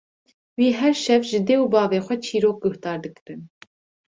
Wî her şev ji dê û bavê xwe çîrok guhdar dikirin.